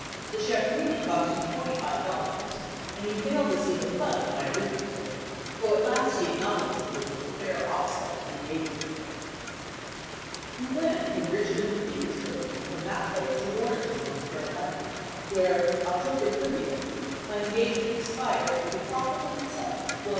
The champagne cost him $25, and he failed to see the fun of my arithmetic, though at last he acknowledged that it was a fair offset to the Avery trick. We went from Richmond to Petersburg, and from that place to Warrenton, North Carolina, where, October 30th, my engagement expired with a profit to myself of $1,200.